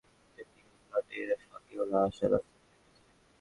মনে হচ্ছে, হাওয়াইয়ের নিচে টেকটোনিক প্লেটের ফাঁকে ওরা আসার রাস্তা খুঁজে পেয়েছে!